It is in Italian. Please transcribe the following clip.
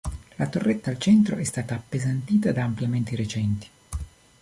La torretta al centro è stata appesantita da ampliamenti recenti.